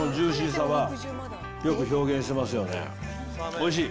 おいしい。